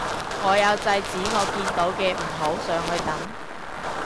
我有制止我見到嘅唔好上去等